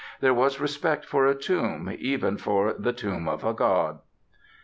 There was respect for a tomb, even for the tomb of a God.